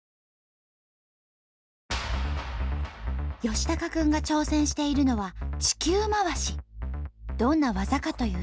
吉孝君が挑戦しているのはどんな技かというと。